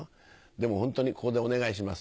でもホントにここでお願いします。